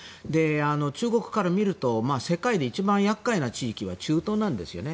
中国から見ると世界で一番厄介な地域は中東なんですよね。